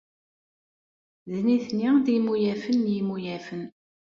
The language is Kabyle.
D nitni ay d imuyafen n yimuyafen.